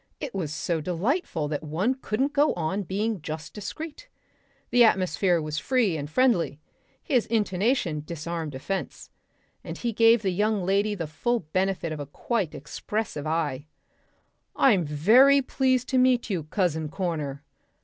It was so delightful that one couldn't go on being just discreet. The atmosphere was free and friendly. His intonation disarmed offence. And he gave the young lady the full benefit of a quite expressive eye. "I'm very pleased to meet you, Cousin Corner.